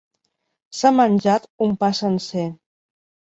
S'ha menjat un pa sencer.